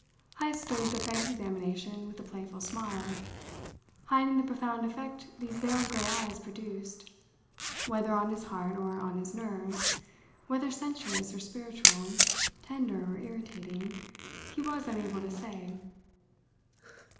Heyst stood the frank examination with a playful smile, hiding the profound effect these veiled grey eyes produced whether on his heart or on his nerves, whether sensuous or spiritual, tender or irritating, he was unable to say.